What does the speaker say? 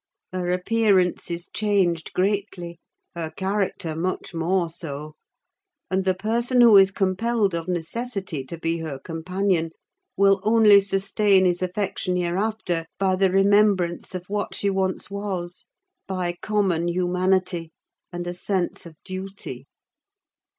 Her appearance is changed greatly, her character much more so; and the person who is compelled, of necessity, to be her companion, will only sustain his affection hereafter by the remembrance of what she once was, by common humanity, and a sense of duty!"